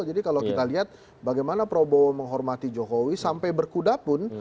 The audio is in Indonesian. jadi kalau kita lihat bagaimana prabowo menghormati jokowi sampai berkuda pun